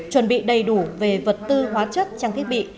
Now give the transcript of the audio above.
chuẩn bị đầy đủ về vật tư hóa chất trang thiết bị